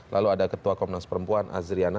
lalu ada ketua komnas perempuan azriana